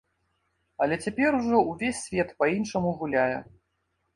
Але цяпер ужо ўвесь свет па-іншаму гуляе.